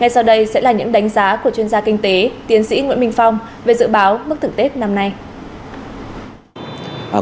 sau đây sẽ là những đánh giá của chuyên gia kinh tế tiến sĩ nguyễn minh phong về dự báo mức thưởng tết năm nay